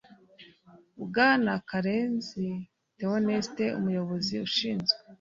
Bwana KARENZI Th oneste Umuyobozi ushinzwe